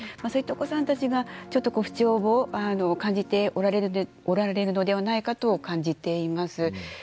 そういったお子さんたちが不調を感じておられるのではないかと感じています。